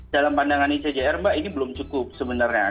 dalam pandangan icjr mbak ini belum cukup sebenarnya